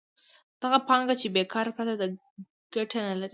دغه پانګه چې بېکاره پرته ده ګټه نلري